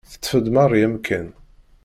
Teṭṭef-d Mari amkan.